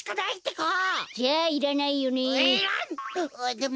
でも。